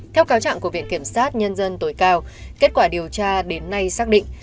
theo cáo trạng của viện kiểm sát nhân dân tối cao kết quả điều tra đến nay xác định